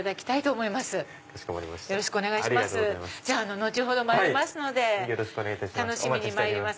じゃあ後ほどまいりますので楽しみにまいります。